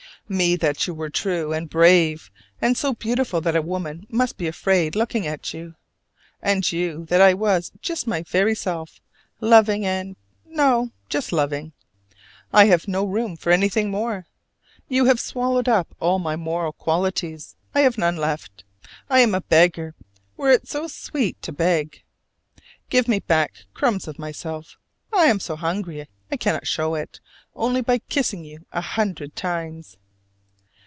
me that you were true and brave and so beautiful that a woman must be afraid looking at you: and you that I was just my very self, loving and no! just loving: I have no room for anything more! You have swallowed up all my moral qualities, I have none left: I am a beggar, where it is so sweet to beg. Give me back crumbs of myself! I am so hungry, I cannot show it, only by kissing you a hundred times.